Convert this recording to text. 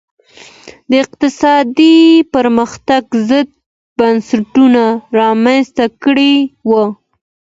د اقتصادي پرمختګ ضد بنسټونه رامنځته کړي وو.